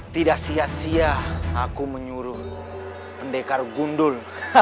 tidak sia sia aku menyuruh pendekar gundul